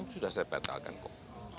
sudah saya batalkan kok